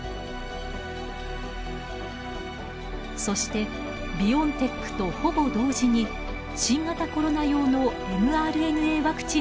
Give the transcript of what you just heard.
そしてビオンテックとほぼ同時に新型コロナ用のｍＲＮＡワクチンの開発に成功。